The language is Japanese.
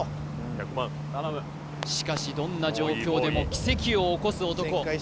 しかしどんな状況でも奇跡を起こす男